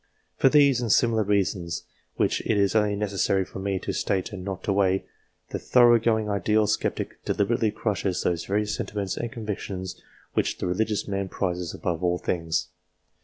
For these and similar reasons, which it is only necessary for me to state and not to weigh, the thorough going ideal sceptic deliberately crushes those very sentiments and convictions which the religious man prizes above all things.